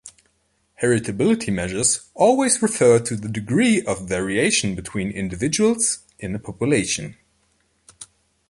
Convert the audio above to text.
Heritability measures always refer to the degree of "variation between individuals in a population".